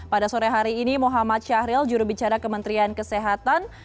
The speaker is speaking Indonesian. pada sore hari ini muhammad syahril jurubicara kementerian kesehatan